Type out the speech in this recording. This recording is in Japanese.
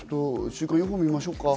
週間予報を見ましょうか。